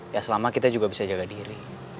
ya selama kita juga bisa jaga diri